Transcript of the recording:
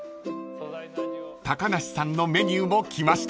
［高梨さんのメニューも来ましたよ］